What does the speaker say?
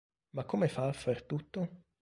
Ma come fa a far tutto?